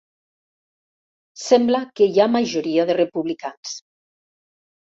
Sembla que hi ha majoria de republicans.